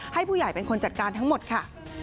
ให้ผู้ใหญ่เป็นคนจัดการทั้งหมดค่ะ